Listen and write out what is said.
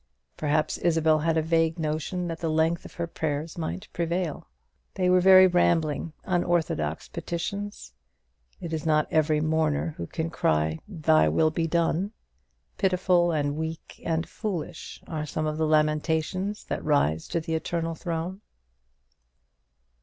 Perhaps Isabel had a vague notion that the length of her prayers might prevail. They were very rambling, unorthodox petitions. It is not every mourner who can cry, "Thy will be done!" Pitiful and weak and foolish are some of the lamentations that rise to the Eternal Throne.